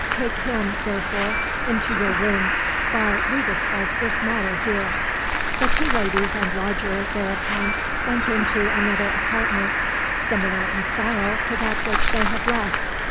Take him, therefore, into your room, while we discuss this matter here." The two ladies and Roger thereupon went into another apartment, similar in style to that which they had left.